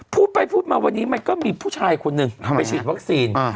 พูดไปพูดมาวันนี้มันก็มีผู้ชายคนหนึ่งไปฉีดวัคซีน